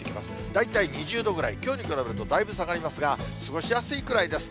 大体２０度ぐらい、きょうに比べるとだいぶ下がりますが、過ごしやすいくらいです。